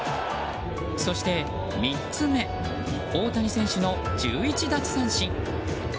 そして３つ目、大谷選手の１１奪三振。